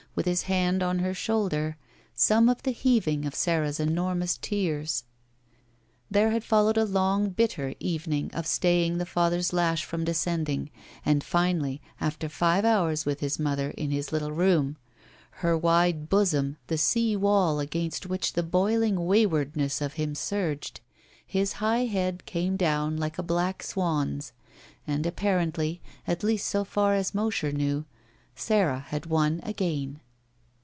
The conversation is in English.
with his hid on her shoulder, some of the heaving of Sara's enormous tears. There had followed a long, bitter evening of ^ta3ring the father's lash from descending, and finally, after five hours with his mother in his Uttle «)om, her wide bosom the sea waU against which the boiling wasrwardness of him surged, his high head came down like a black swan's and apparently, a,% least so far as Mosher knew, Sara had won again.